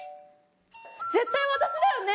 絶対私だよね？